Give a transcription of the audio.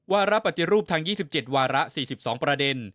ระปฏิรูปทั้ง๒๗วาระ๔๒ประเด็น